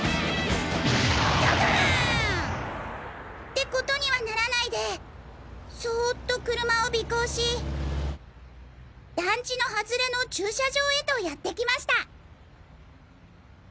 「ってことにはならないでそおっと車を尾行し団地の外れの駐車場へとやってきました」。